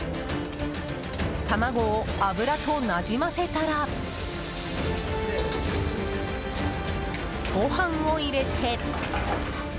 卵を油となじませたらご飯を入れて。